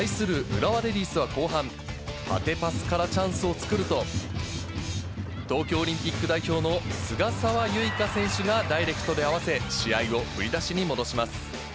浦和レディースは後半、縦パスからチャンスを作ると、東京オリンピック代表の菅澤優衣香選手がダイレクトで合わせ、試合を振り出しに戻します。